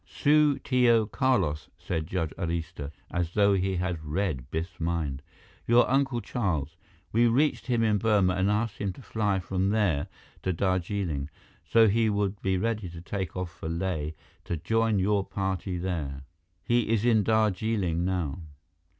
"Su Tio Carlos," said Judge Arista, as though he had read Biff's mind. "Your Uncle Charles. We reached him in Burma and asked him to fly from there to Darjeeling, so he would be ready to take off for Leh, to join your party there. He is in Darjeeling now."